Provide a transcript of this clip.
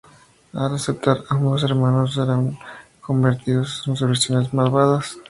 Al aceptar, ambos hermanos serán convertidos en sus versiones malvadas.